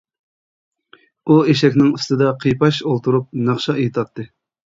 ئۇ ئېشەكنىڭ ئۈستىدە قىيپاش ئولتۇرۇپ ناخشا ئېيتاتتى.